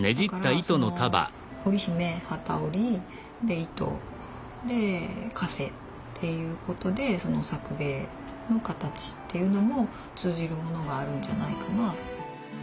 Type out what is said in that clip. だから織姫機織り糸かせということでさくべいの形っていうのも通じるものがあるんじゃないかな。